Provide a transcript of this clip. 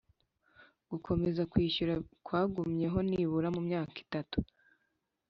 Gukomeza kwishyura kwagumyeho nibura mu myaka itatu